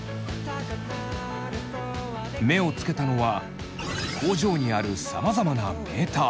目をつけたのは工場にあるさまざまなメーター。